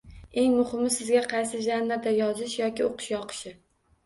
Eng muhimi Sizga qaysi janrda yozish yoki o’qish yoqishi